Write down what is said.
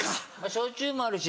焼酎もあるし